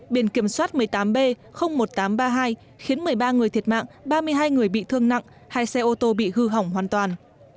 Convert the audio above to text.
biển kiểm soát một mươi tám b một nghìn tám trăm ba mươi hai khiến một mươi ba người thiệt mạng ba mươi hai người bị thương nặng hai xe ô tô bị hư hỏng hoàn toàn